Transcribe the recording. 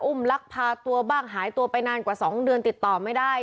ลักพาตัวบ้างหายตัวไปนานกว่า๒เดือนติดต่อไม่ได้